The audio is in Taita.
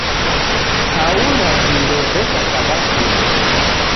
Kaunda vindo veka kabatini